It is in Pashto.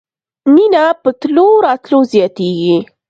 مینه په تلو راتلو زیاتیږي